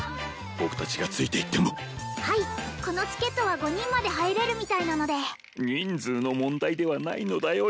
僕達がついて行ってもはいこのチケットは５人まで入れるみたいなので人数の問題ではないのだよ